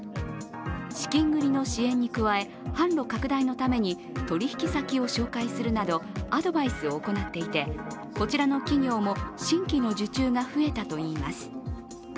資金繰りの支援に加え販路拡大のために取引先を紹介するなどアドバイスを行っていてこちらの企業も新規の受注が増えたといいます。